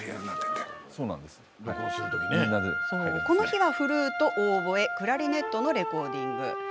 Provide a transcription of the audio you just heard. この日は、フルート、オーボエクラリネットのレコーディング。